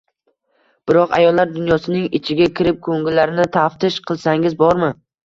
Biroq ayollar dunyosining ichiga kirib, ko‘ngillarini taftish qilsangiz bormi